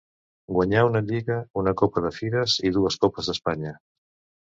Guanyà una lliga, una Copa de Fires i dues Copes d'Espanya.